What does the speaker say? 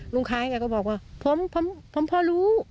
ลุงคล้ายแก่ก็บอกว่าพร้อมพ่อรู้